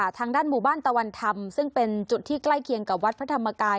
ทางด้านหมู่บ้านตะวันธรรมซึ่งเป็นจุดที่ใกล้เคียงกับวัดพระธรรมกาย